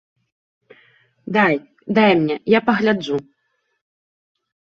Дай, дай мне, я пагляджу.